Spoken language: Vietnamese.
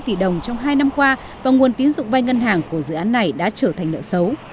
một trăm ba mươi tỷ đồng trong hai năm qua và nguồn tín dụng vai ngân hàng của dự án này đã trở thành nợ xấu